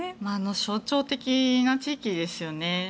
象徴的な地域ですよね。